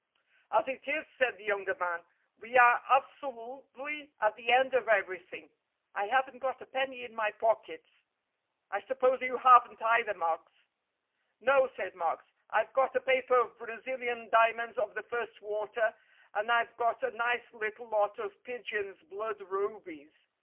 "As it is," said the younger man, "we are abso lutely at the end of everything. I haven't got a penny in my pockets. I suppose you haven't either, Marks?" "No," said Marks. "I've got a paper of Brazilian diamonds of the first water and I've got a nice little lot of pigeon's blood rubies.